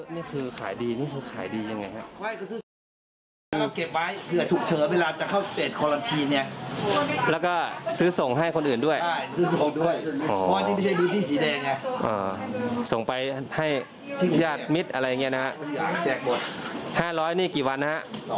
นี่คือขายดีนี่คือขายดียังไงครับ